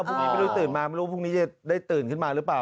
พรุ่งนี้ไม่รู้ตื่นมาไม่รู้พรุ่งนี้จะได้ตื่นขึ้นมาหรือเปล่า